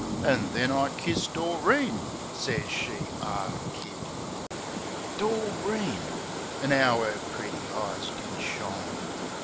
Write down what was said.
An' then I kiss Doreen. Sez she "Ah Kid!" Doreen! Ar 'ow 'er pretty eyes did shine.